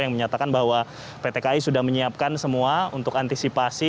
yang menyatakan bahwa pt kai sudah menyiapkan semua untuk antisipasi